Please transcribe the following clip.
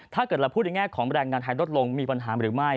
ถ้าเกิดเราพูดในแง่ของแรงงานไทยลดลงมีปัญหาหรือไม่